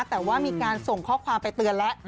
แต่ว่ามีการส่งข้อความไปเตือนแล้ว